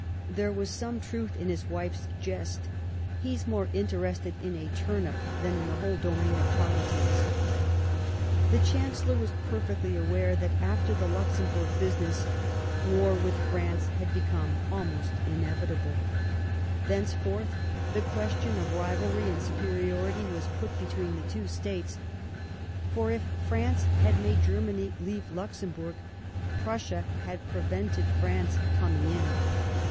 There was some truth in his wife's jest :" He's more interested in a turnip than in the whole domain of politics." The Chancellor was perfectly aware that, after the Luxemburg business, war with France had become almost inevitable ; thenceforth the question of rivalry and superiority was put between the two States ; for, if France had made Germany leave Luxemburg, Prussia had prevented France coming in.